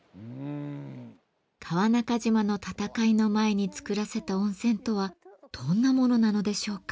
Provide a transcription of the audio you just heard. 川中島の戦いの前につくらせた温泉とはどんなものなのでしょうか？